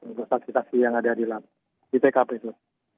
untuk stabilisasi yang ada di lap di tkp itu